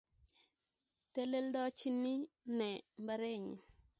Teleltochindoi née mbarenyii?